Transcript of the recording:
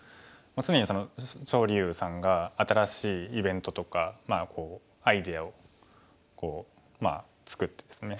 常に張豊さんが新しいイベントとかアイデアを作ってですね